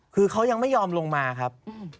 คือเขายังไม่ยอมลงมาครับ